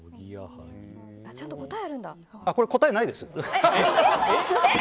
ちゃんと答えあるんだ。